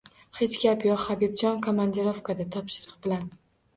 — Hech gap yo‘q! Habibjon komandirovkada. Topshiriq bilan…